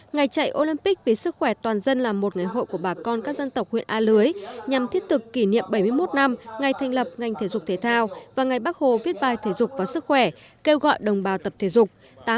ngày chạy olympic vì sức khỏe toàn dân là một ngày hội của bà con các dân tộc huyện a lưới nhằm thiết thực kỷ niệm bảy mươi một năm ngày thành lập ngành thể dục thể thao và ngày bắc hồ viết bài thể dục và sức khỏe kêu gọi đồng bào tập thể dục